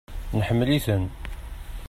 Neḥemmel-iten.